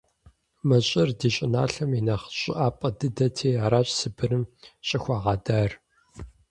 Мы щӏыр ди щӏыналъэм и нэхъ щӏыӏапӏэ дыдэти аращ Сыбырым щӏыхуагъэдар.